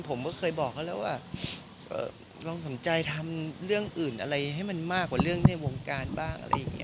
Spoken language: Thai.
ผมก็เคยบอกเขาแล้วว่าลองสนใจทำเรื่องอื่นอะไรให้มันมากกว่าเรื่องในวงการบ้างอะไรอย่างนี้